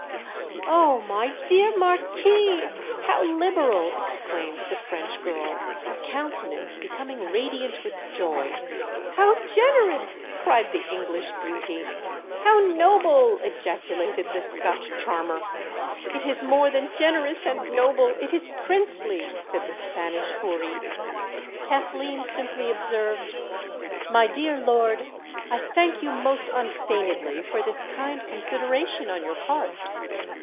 "Oh! my dear Marquis, how liberal!" exclaimed the French girl, her countenance becoming radiant with joy. "How generous!" cried the English beauty. "How noble!" ejaculated the Scotch charmer. "It is more than generous and noble—it is princely!" said the Spanish houri. Kathleen simply observed, "My dear lord, I thank you most unfeignedly for this kind consideration on your part."